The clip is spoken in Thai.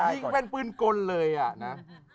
นี่ก็แม่นปืนกลเลยอะนะ